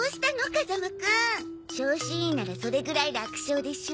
風間くん。調子いいならそれぐらい楽勝でしょ？